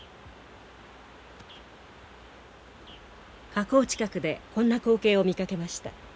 河口近くでこんな光景を見かけました。